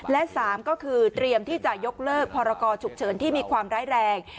และ๓ก็คือเตรียมที่จะยกเลิกพรกรฉุกเฉินที่มีความร้ายแรง